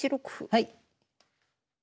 はい。